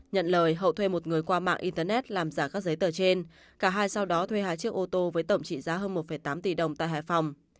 nhận lời hậu thuê một người qua mạng internet làm giả các giấy tờ trên cả hai sau đó thuê hai chiếc ô tô với tổng trị giá hơn một tám tỷ đồng tại hải phòng